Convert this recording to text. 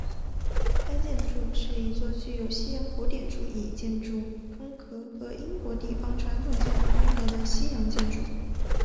该建筑是一座具有西洋古典主义建筑风格和英国地方传统建筑风格的西洋建筑。